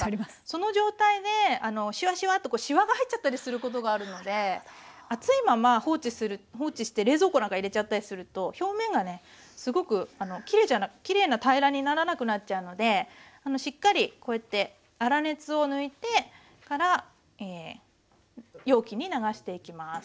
その状態でシワシワッとしわが入っちゃったりすることがあるので熱いまま放置して冷蔵庫なんか入れちゃったりすると表面がねすごくきれいな平らにならなくなっちゃうのでしっかりこうやって粗熱を抜いてから容器に流していきます。